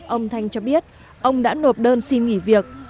ông thanh cho biết ông đã nộp đơn xin nghỉ việc